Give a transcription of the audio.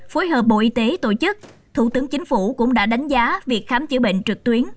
phối hợp bộ y tế tổ chức thủ tướng chính phủ cũng đã đánh giá việc khám chữa bệnh trực tuyến